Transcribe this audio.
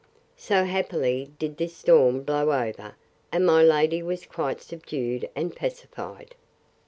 So happily did this storm blow over; and my lady was quite subdued and pacified.